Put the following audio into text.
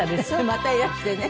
またいらしてね。